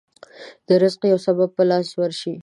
د رزق يو سبب په لاس ورشي.